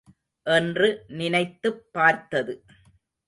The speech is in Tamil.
என்று நினைத்துப் பார்த்தது.